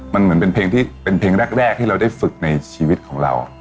มันเหมือนเป็นเพลงที่เป็นเพลงแรกที่เราได้ฝึกในชีวิตของเรา